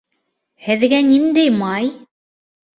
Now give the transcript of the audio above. Һеҙгә ниндәй май?